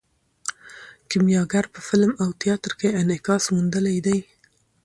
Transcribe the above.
کیمیاګر په فلم او تیاتر کې انعکاس موندلی دی.